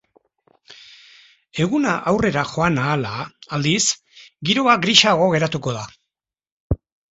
Eguna aurrera joan ahala, aldiz, giroa grisago geratuko da.